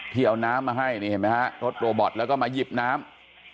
ที่เอาน้ำมาให้นี่เห็นไหมฮะรถโรบอตแล้วก็มาหยิบน้ำ